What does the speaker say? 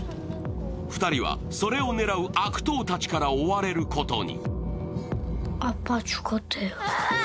２人はそれを狙う悪党たちから追われることに。